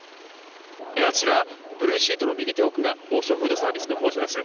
あちらブルーシートの右手奥が王将フードサービスの本社です。